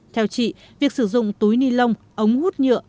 theo chị việc sử dụng túi ni lông ống hút nhựa